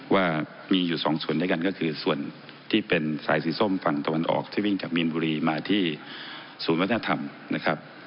ว่ามีอยู่สองส่วนด้วยกันก็คือส่วนที่เป็นสายสีส้มฝั่งตะวันออกที่วิ่งจากมีนบุรีมาที่ศูนย์วัฒนธรรมนะครับ